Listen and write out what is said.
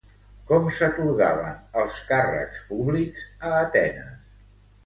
Com s'atorgaven els càrrecs públics a Atenes?